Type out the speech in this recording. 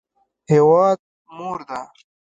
هیواد مور ده